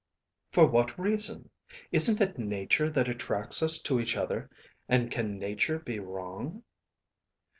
"For what reason? Isn't it Nature that attracts us to each other and can Nature be wrong?"